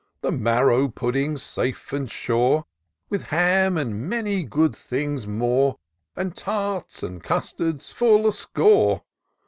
The marrow puddings safe and sure ; With ham, and many good things more, And tarts, and custards, full a score.